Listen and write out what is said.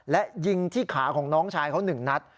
และยิงที่ขาของน้องชายเขา๑นัด